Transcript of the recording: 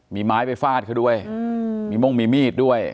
มีไม้ไปฟาดเขาด้วยมีม่วงมีมีดด้วย